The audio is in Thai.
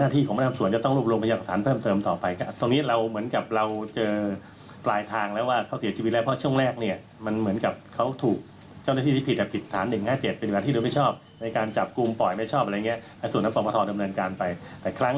ถ้าเราพบชิ้นส่วนของศพแล้วเนี่ยคดีฆาตกรรมก็จะเกิดขึ้นนะครับ